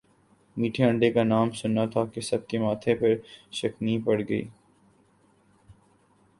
میٹھے انڈے کا نام سننا تھا کہ سب کے ماتھے پر شکنیں پڑ گئی